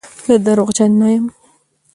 زه درواغجن نه یم.